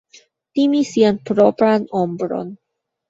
Timi sian propran ombron.